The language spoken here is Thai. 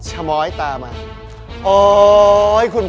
พลอยเชื่อว่าเราก็จะสามารถชนะเพื่อนที่เป็นผู้เข้าประกวดได้เหมือนกัน